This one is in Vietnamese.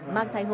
mang thai hộ